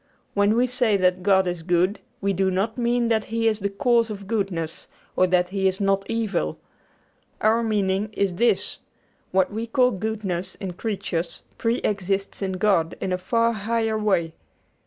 When we say that God is good, we do not mean that He is the cause of goodness or that He is not evil. Our meaning is this: What we call goodness in creatures preexists in God in a far higher way.